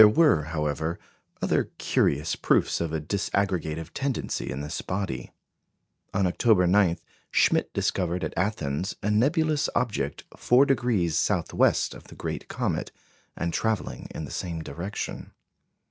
There were, however, other curious proofs of a disaggregative tendency in this body. On October 9, Schmidt discovered at Athens a nebulous object 4° south west of the great comet, and travelling in the same direction.